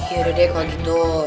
yaudah deh kalo gitu